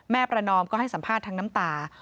ประนอมก็ให้สัมภาษณ์ทั้งน้ำตา